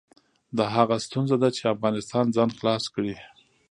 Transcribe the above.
دا هغه ستونزه ده چې افغانستان ځان خلاص کړي.